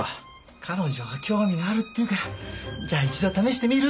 彼女興味があるっていうから「じゃあ一度試してみる？」